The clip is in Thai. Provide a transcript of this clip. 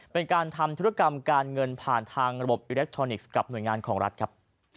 เป็นการทำธุรกรรมการเงินผ่านทางระบบอิเล็กทรอนิกส์กับหน่วยงานของรัฐครับ